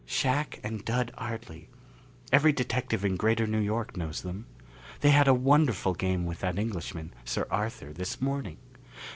"Shac and Dud Ardley. Every detective in Greater New York knows them. They had a wonderful game with that Englishman, Sir Arthur, this morning.